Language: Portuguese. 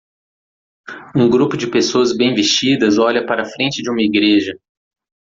Um grupo de pessoas bem vestidas olha para a frente de uma igreja.